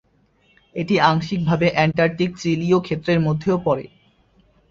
এটি আংশিকভাবে অ্যান্টার্কটিক চিলীয় ক্ষেত্রের মধ্যেও পড়ে।